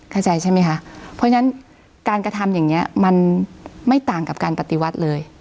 เข้าใจใช่ไหมคะเพราะฉะนั้นการกระทำอย่างนี้มันไม่ต่างกับการปฏิวัติเลย